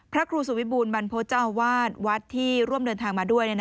พระครูสุวิบูรณบรรพฤษเจ้าอาวาสวัดที่ร่วมเดินทางมาด้วย